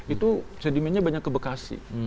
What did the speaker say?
itu sedimennya banyak ke bekasi